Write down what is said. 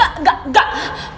nggak nggak nggak